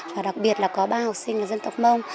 và đặc biệt là có ba học sinh là dân tộc mông